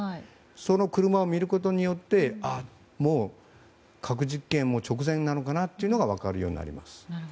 その車を見ることによって核実験は直前なのかなというのが分かるようになります。